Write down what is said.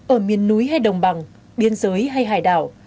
ở miền núi hay đồng bằng biên giới hay hải đảo